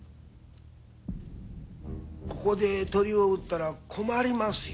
ここで鳥を撃ったら困りますよ。